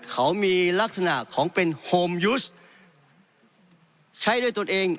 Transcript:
เขามีลักษณะของเป็นโฮมยูสใช้ด้วยตนเอง